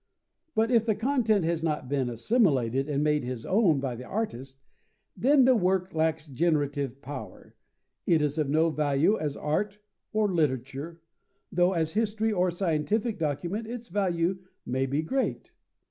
But if the content has not been assimilated and made his own by the artist, then the work lacks generative power: it is of no value as art or literature, though as history or scientific document its value may be great.